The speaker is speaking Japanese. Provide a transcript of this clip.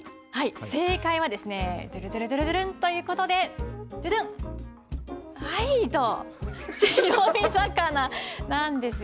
正解はですね、ずるずるずるんということで、じゃじゃん、はいと、白身魚なんですよね。